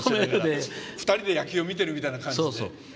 ２人で野球を見てるみたいな感じで。